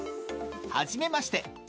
はじめまして。